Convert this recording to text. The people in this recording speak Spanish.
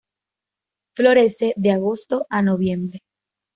Florece de agosto a noviembre.